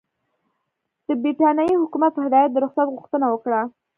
د برټانیې حکومت په هدایت د رخصت غوښتنه وکړه.